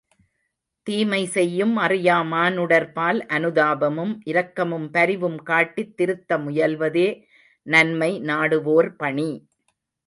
தீமை செய்யும் அறியா மானுடர்பால் அனுதாபமும், இரக்கமும் பரிவும் காட்டித் திருத்த முயல்வதே நன்மை நாடுவோர் பணி!